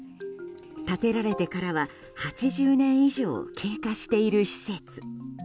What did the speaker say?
建てられてからは８０年以上経過している施設。